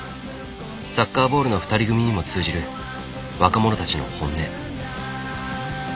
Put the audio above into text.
サッカーボールの２人組にも通じる若者たちの本音。